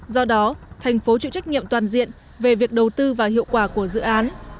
do đó thành phố chịu trách nhiệm toàn diện về việc đầu tư và hiệu quả của dự án